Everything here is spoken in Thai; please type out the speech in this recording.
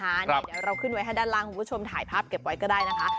เดี๋ยวเราขึ้นไว้ให้ด้านล่างคุณผู้ชมถ่ายภาพเก็บไว้ก็ได้นะคะ